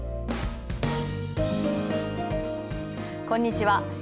こんにちは。